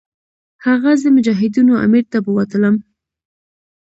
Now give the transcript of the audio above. هغه زه مجاهدینو امیر ته بوتلم.